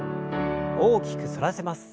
大きく反らせます。